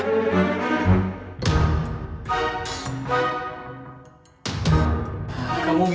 naya siapa yang dateng lagi